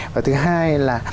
và thứ hai là